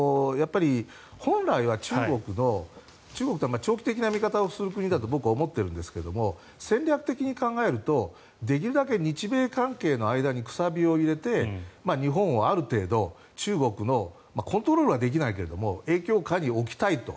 本来は中国というのは長期的な見方をする国だと僕は思っているんですが戦略的に考えるとできるだけ日米関係の間に楔を入れて日本をある程度、中国のコントロールはできないけども影響下に置きたいと。